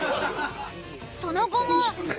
その後も。